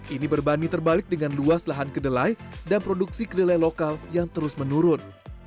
ini berbanding terbalik dengan luas lahan kedelai dan produksi kedelai lokal yang terus menurun